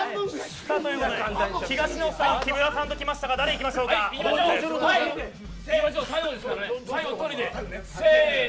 東野さん、木村さんときましたがいきましょう最後ですからね。